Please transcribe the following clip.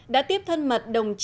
đã tiếp thân mật đồng chí hoàng bình